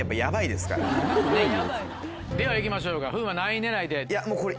では行きましょうか風磨何位狙いで？